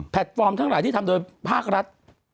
ฟอร์มทั้งหลายที่ทำโดยภาครัฐ